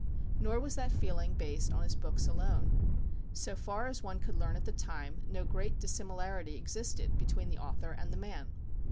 Nor was that feeling based on his books alone. So far as one could learn at the time, no great dissimilarity existed between the author and the man.